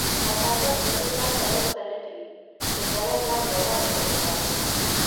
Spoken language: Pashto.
حسادت له دې پرته بل څه نه دی، چې سړی ځان یوازې احساس کړي.